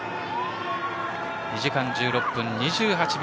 ２時間１６分２８秒